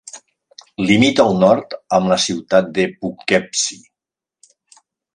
Limita al nord amb la ciutat de Poughkeepsie.